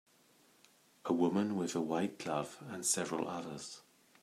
A woman with a white glove and several others.